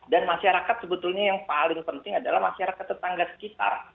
dan masyarakat sebetulnya yang paling penting adalah masyarakat tetangga sekitar